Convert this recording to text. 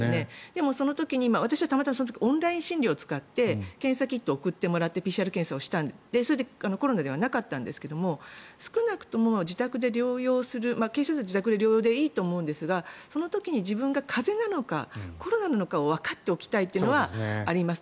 でもその時に私はたまたまオンライン診療でキットを送ってもらってＰＣＲ検査をして、それでコロナではなかったんですが少なくとも自宅で療養する軽症者は自宅で療養でいいと思うんですがその時に自分が風邪なのかコロナなのかをわかっておきたいというのはあります。